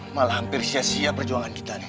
malah hampir sia sia perjuangan kita